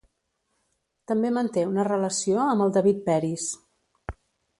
També manté una relació amb el David Peris.